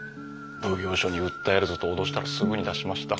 奉行所に訴えるぞと脅したらすぐに出しました。